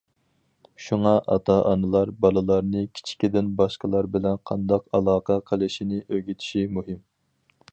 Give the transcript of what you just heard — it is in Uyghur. شۇڭا ئاتا- ئانىلار بالىلارنى كىچىكىدىن باشقىلار بىلەن قانداق ئالاقە قىلىشنى ئۆگىتىشى مۇھىم.